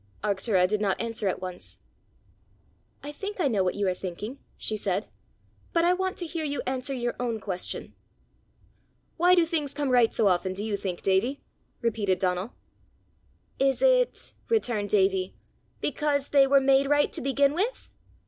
Arctura did not answer at once. "I think I know what you are thinking," she said, "but I want to hear you answer your own question." "Why do things come right so often, do you think, Davie?" repeated Donal. "Is it," returned Davie, "because they were made right to begin with?"